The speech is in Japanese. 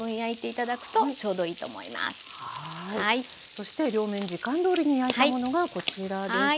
そして両面時間どおりに焼いたものがこちらですね。